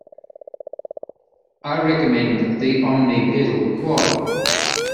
I recommend the Omni pedal Quad.